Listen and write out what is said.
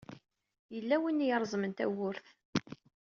Yella win ay ireẓmen tawwurt.